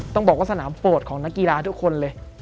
ต้องบอกว่าสนามโปรดของนักกีฬาทุกคนเลย